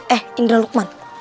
eh indra lukman